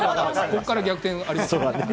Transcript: ここから、逆転はありそうなんで。